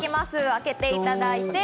開けていただいて。